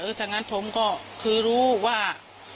ถ้างั้นผมก็คือรู้ว่า